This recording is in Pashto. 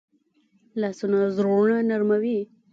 لاسونه زړونه نرموي